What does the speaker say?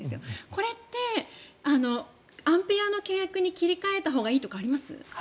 これってアンペアの契約に切り替えたほうがいいとかあります？